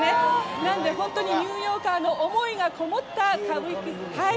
なので本当にニューヨーカーの思いがこもった紙吹雪と。